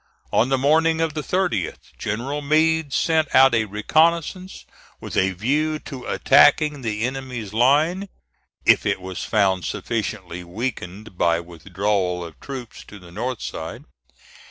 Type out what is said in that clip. On the morning of the 30th, General Meade sent out a reconnoissance with a view to attacking the enemy's line, if it was found sufficiently weakened by withdrawal of troops to the north side.